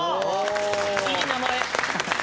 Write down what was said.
いい名前。